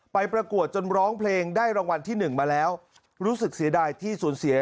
ประกวดจนร้องเพลงได้รางวัลที่หนึ่งมาแล้วรู้สึกเสียดายที่สูญเสีย